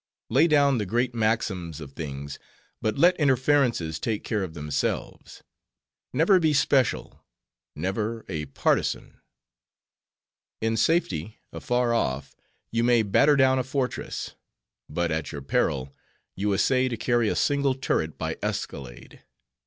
Lay down the great maxims of things, but let inferences take care of themselves. Never be special; never, a partisan. In safety, afar off, you may batter down a fortress; but at your peril you essay to carry a single turret by escalade.